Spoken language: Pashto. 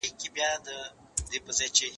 زه انځورونه نه رسم کوم!؟